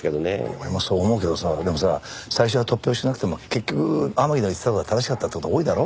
俺もそう思うけどさでもさ最初は突拍子なくても結局天樹の言ってた事が正しかったって事が多いだろ？